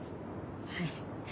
はい。